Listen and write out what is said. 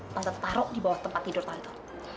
tante taruh di bawah tempat tidur tante